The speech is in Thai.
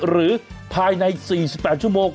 หรือภายใน๔๘ชั่วโมง